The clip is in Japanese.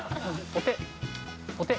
お手！